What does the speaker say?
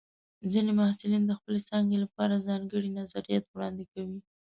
ځینې محصلین د خپلې څانګې لپاره ځانګړي نظریات وړاندې کوي.